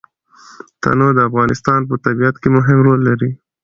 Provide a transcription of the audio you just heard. تنوع د افغانستان په طبیعت کې مهم رول لري.